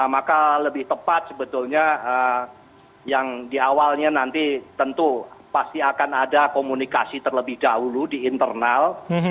maka lebih tepat sebetulnya yang di awalnya nanti tentu pasti akan ada komunikasi terlebih dahulu di internal